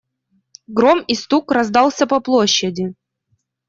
Гром и стук раздался по площади.